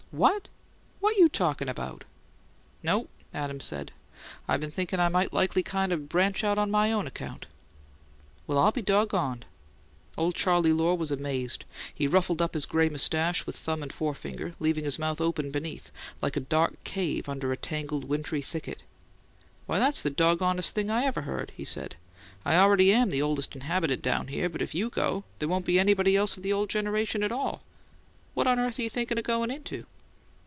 "What! What you talkin' about?" "No," said Adams. "I been thinking I might likely kind of branch out on my own account." "Well, I'll be doggoned!" Old Charley Lohr was amazed; he ruffled up his gray moustache with thumb and forefinger, leaving his mouth open beneath, like a dark cave under a tangled wintry thicket. "Why, that's the doggonedest thing I ever heard!" he said. "I already am the oldest inhabitant down there, but if you go, there won't be anybody else of the old generation at all. What on earth you thinkin' of goin' into?"